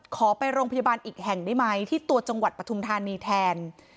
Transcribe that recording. ขอไปโรงพยาบาลอีกแห่งได้ไหมที่ตัวจังหวัดปฐุมธานีแทน